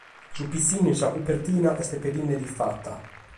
Su pitzinnu in sa cobertina est pedende rifata.